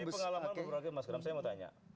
tapi pengalaman berlaku mas ikram saya mau tanya